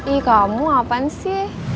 ih kamu apaan sih